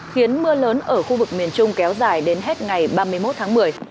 khiến mưa lớn ở khu vực miền trung kéo dài đến hết ngày ba mươi một tháng một mươi